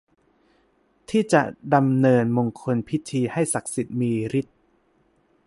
ที่จะดำเนินมงคลพิธีให้ศักดิ์สิทธิ์มีฤทธิ์